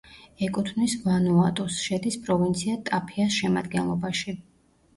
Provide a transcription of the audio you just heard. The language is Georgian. ეკუთვნის ვანუატუს, შედის პროვინცია ტაფეას შემადგენლობაში.